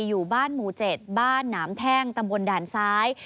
อยู่บ้านหมู่๗บ้านหนามแท่งตำบลด่านซ้าย